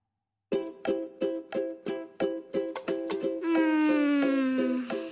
うん。